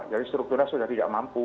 jadi strukturnya sudah tidak mampu